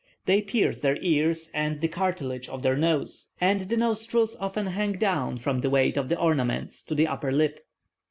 They pierce their ears and the cartilage of their nose, and the nostrils often hang down, from the weight of the ornaments, to the upper lip."